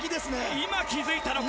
今、気付いたのか？